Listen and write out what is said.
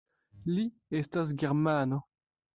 Li estas germano.